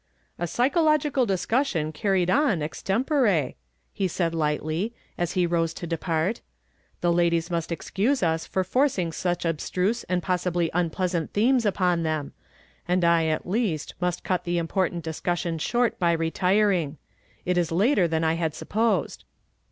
•A phycho logical discussion carried on extem pore !" he said liglitly, as he arose to depart ;" the ladies must excuse us for forcing surh abstruse and possibly unpleasant themes upon them, and I, at least, must cut the important discussion short by retiring. It is later than I had supposed."